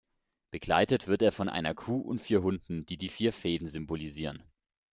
Begleitet wird er von einer Kuh und vier Hunden, die die vier Veden symbolisieren.